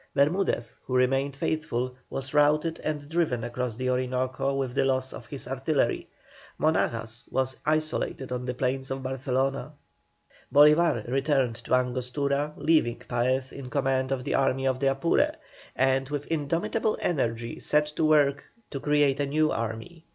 Bermudez, who remained faithful, was routed and driven across the Orinoco with the loss of his artillery. Monagas was isolated on the plains of Barcelona. Bolívar returned to Angostura, leaving Paez in command of the Army of the Apure, and with indomitable energy set to work to create a new army.